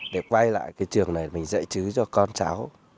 để quay lại cái trường này mình dạy chứ cho con cháu